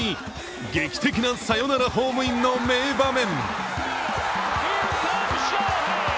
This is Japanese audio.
劇的なサヨナラホームインの名場面。